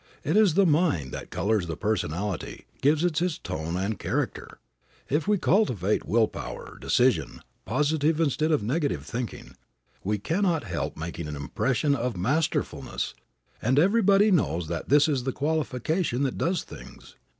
It is the mind that colors the personality, gives it its tone and character. If we cultivate will power, decision, positive instead of negative thinking, we cannot help making an impression of masterfulness, and everybody knows that this is the qualification that does things.